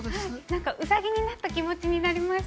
◆なんかウサギになった気持ちになりました。